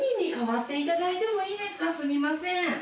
すみません。